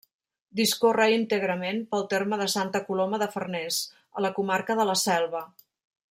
Discorre íntegrament pel terme de Santa Coloma de Farners, a la comarca de la Selva.